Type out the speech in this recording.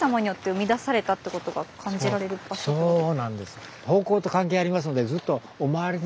そうなんです。